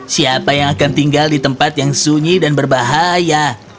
siapa yang akan tinggal di tempat yang sunyi dan berbahaya